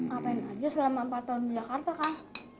apa yang ada selama empat tahun di jakarta kak